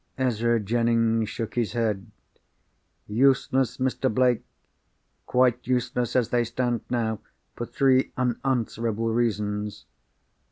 Ezra Jennings shook his head. "Useless, Mr. Blake! Quite useless, as they stand now for three unanswerable reasons.